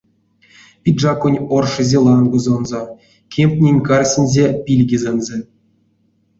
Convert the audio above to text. Пиджаконть оршизе лангозонзо, кемтнень карсинзе пильгезэнзэ.